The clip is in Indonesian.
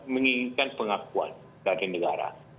menginginkan pengakuan dari negara